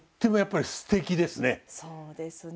そうですね。